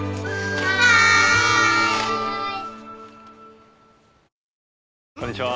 はーい！こんにちは。